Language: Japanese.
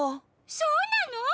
そうなの！？